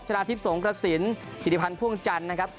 ชนะทิพย์สงครสินทิริพันธ์พ่วงจันทร์